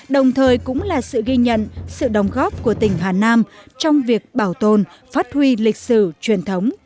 đồng thời cũng là sự ghi nhận sự đồng góp của tỉnh hà nam trong việc bảo tồn phát huy lịch sử truyền thống của dân tộc